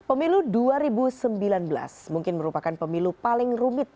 pemilu dua ribu sembilan belas mungkin merupakan pemilu paling rumit